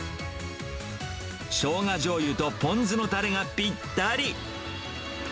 しょうがじょうゆとポン酢のたれがぴったり。